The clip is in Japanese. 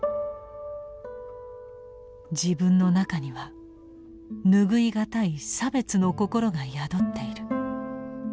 「自分の中にはぬぐいがたい差別の心が宿っている」。